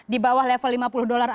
di bawah level lima puluh dolar